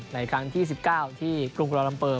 หลายครั้งที่๑๙ที่กรุงกุรณลำเปิด